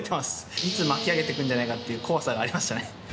いつ巻き上げてくるんじゃないかっていう怖さがありましたね。